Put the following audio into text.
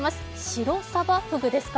シロサバフグですか？